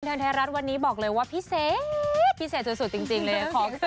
ทางไทยรัฐวันนี้บอกเลยว่าพิเศษพิเศษสุดจริงเลย